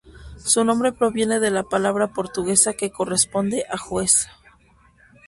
Su nombre proviene de la palabra portuguesa que corresponde a "juez".